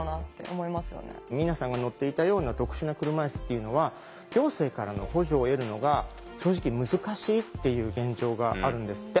明奈さんが乗っていたような特殊な車いすっていうのは行政からの補助を得るのが正直難しいっていう現状があるんですって。